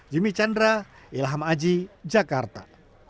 jimmy chandra ilham aji jakarta